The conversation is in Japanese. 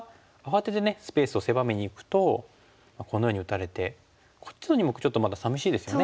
スペースを狭めにいくとこのように打たれてこっちの２目ちょっとまださみしいですよね。